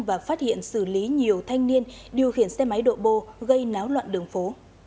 và phát hiện xử lý nhiều thanh niên điều khiển xe máy độ bô gây náo loạn đường phố